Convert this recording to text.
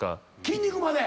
筋肉まで！